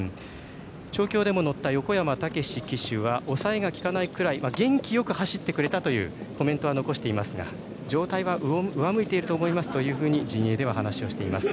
調教でも乗った横山武史騎手はおさえが利かないくらい元気よく走ってくれたというコメントは残していますが状態は上向いていると思いますと陣営では話をしています。